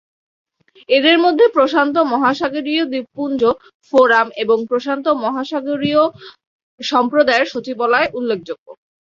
এদের মধ্যে প্রশান্ত মহাসাগরীয় দ্বীপপুঞ্জ ফোরাম এবং প্রশান্ত মহাসাগরীয় সম্প্রদায়ের সচিবালয় উল্লেখযোগ্য।